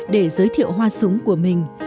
để giới thiệu hoa súng của mình